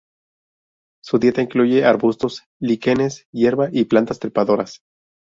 Su dieta incluye arbustos, líquenes, hierba y plantas trepadoras.